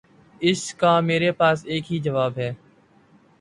اس کا میرے پاس ایک ہی جواب ہے۔